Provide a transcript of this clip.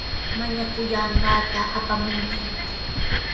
Mañakullanqaata apamunki.